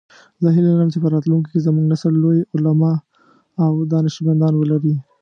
زه هیله لرم چې په راتلونکي کې زموږ نسل لوی علماء او دانشمندان ولری